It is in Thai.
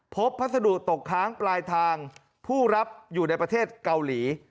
พัสดุตกค้างปลายทางผู้รับอยู่ในประเทศเกาหลี